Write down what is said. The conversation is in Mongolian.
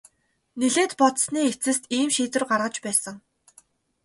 Нэлээд бодсоны эцэст ийм шийдвэр гаргаж байсан.